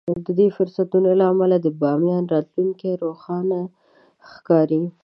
د دې فرصتونو له امله د باميان راتلونکی روښانه ښکاري.